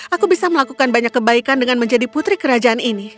aku bisa melakukan banyak kebaikan dengan menjadi putri kerajaan ini